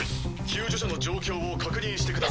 救助者の状況を確認してください。